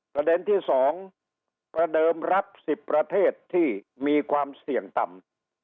ประเด็นที่๒ประเดิมรับ๑๐ประเทศที่มีความเสี่ยงต่ำ